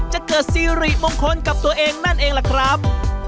จะเกิดซีริมงคลกับตัวเองนั่นเองล่ะครับ